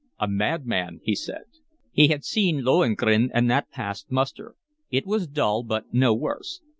A madman!" he said. He had seen Lohengrin and that passed muster. It was dull but no worse.